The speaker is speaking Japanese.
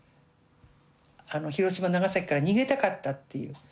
広島長崎から逃げたかったっていう。